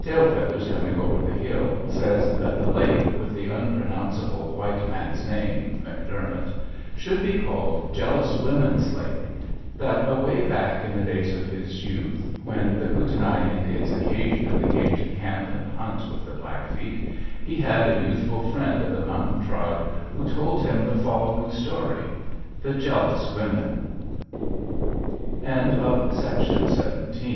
Tail Feathers Coming over the Hill says that the lake with the unpronounceable white man's name McDermott should be called Jealous Women's Lake; that away back in the days of his youth, when the Kootenai Indians occasionally came to camp and hunt with the Blackfeet, he had a youthful friend of the mountain tribe who told him the following story: THE JEALOUS WOMEN "In those days a young Kootenai, goo